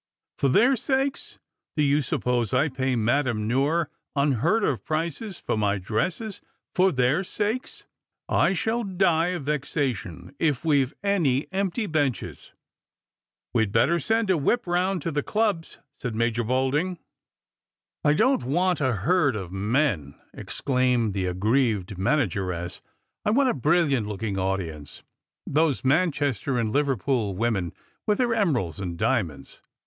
" For their sakes ! Do you suppose I pay Madame Noire \in heard of prices for my dresses for their sakes ? I shall die of vexation if we've any empty benches." " We'd better send a whip round to the clubs," said Major Dolding. "I don't want a herd of men," exclaimed the aggrieved manageress ;" I want a brilliant looking audience, — those Man chester and Liverpool women with their emeralds and diamonds.